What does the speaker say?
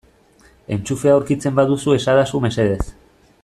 Entxufea aurkitzen baduzu esadazu mesedez.